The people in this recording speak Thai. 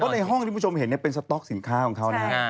เพราะในห้องที่ผู้ชมเห็นเนี่ยเป็นสินค้าของเขานะฮะใช่